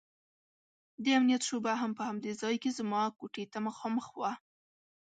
د امنيت شعبه هم په همدې ځاى کښې زما کوټې ته مخامخ وه.